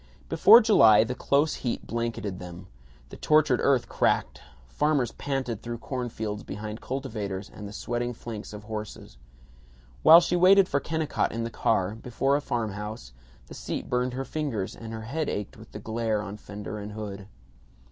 Before July the close heat blanketed them. The tortured earth cracked. Farmers panted through corn fields behind cultivators and the sweating flanks of horses. While she waited for Kennicott in the car, before a farmhouse, the seat burned her fingers and her head ached with the glare on fenders and hood.